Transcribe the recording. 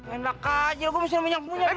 enak aja gue bisa nyurupin yang punya rumah